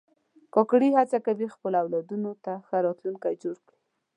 کاکړي هڅه کوي خپلو اولادونو ته ښه راتلونکی جوړ کړي.